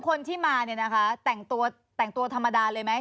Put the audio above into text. ๒คนที่มาเนี่ยนะคะแต่งตัวธรรมดาเลยไหม